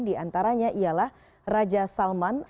di antaranya ialah raja salman